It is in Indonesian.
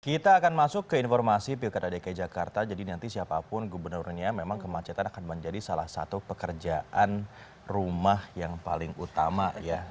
kita akan masuk ke informasi pilkada dki jakarta jadi nanti siapapun gubernurnya memang kemacetan akan menjadi salah satu pekerjaan rumah yang paling utama ya